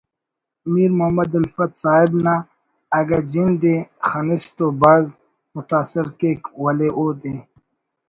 میر محمد الفت صاحب نا اگہ جند ءِ خنِس تو بھاز متاثر کیک ولے اودے